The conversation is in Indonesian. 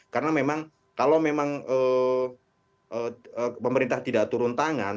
karena memang kalau memang pemerintah tidak turun tangan